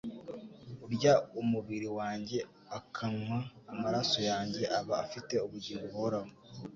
«Urya umubiri wanjye, akanywa amaraso yanjye, aba afite ubugingo buhoraho,